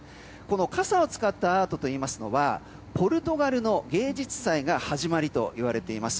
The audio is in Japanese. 傘を使ったアートといいますのはポルトガルの芸術祭が始まりと言われています。